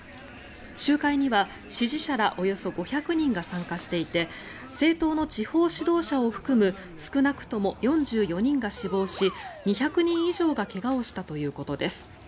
集会には支持者らおよそ５００人が参加していて政党の地方指導者を含む少なくとも４４人が死亡し２００人以上が怪我をしたということです。